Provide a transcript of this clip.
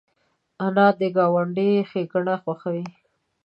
انا د ګاونډي ښېګڼه خوښوي